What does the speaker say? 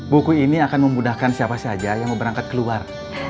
buku ini akan memudahkan siapa saja yang mau berangkat keluar